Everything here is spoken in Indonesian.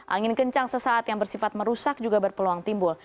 angin kencang sesaat yang bersifat merusak juga berpeluang timbul